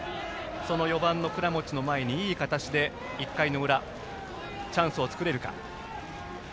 その４番の倉持の前に、いい形で１回の裏、チャンスを作れるか。